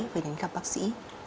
về đến gặp bác sĩ